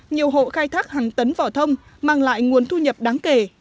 nhiều hộ khai thác hàng tấn vỏ thông mang lại nguồn thu nhập đáng kể